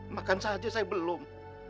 makan saja saya belum